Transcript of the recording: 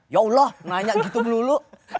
ya allah nanya gitu melulu